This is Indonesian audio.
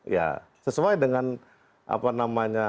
ya sesuai dengan apa namanya